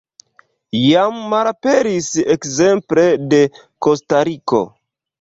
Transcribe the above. Jam malaperis ekzemple de Kostariko.